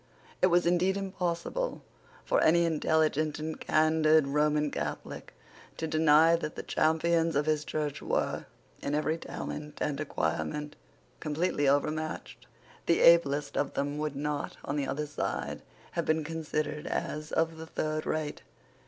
It was indeed impossible for any intelligent and candid Roman Catholic to deny that the champions of his Church were, in every talent and acquirement, completely over matched. The ablest of them would not, on the other side, have been considered as of the third rate.